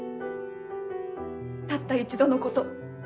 たった一度のこと。